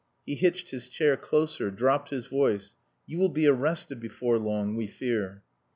He hitched his chair closer, dropped his voice. "You will be arrested before long we fear."